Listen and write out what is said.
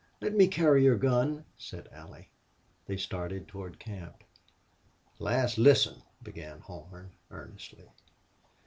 "Let me carry your gun," said Allie. They started toward camp. "Lass, listen," began Horn, earnestly.